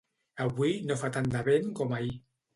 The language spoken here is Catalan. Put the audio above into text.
Avui no fa tant de vent com ahir.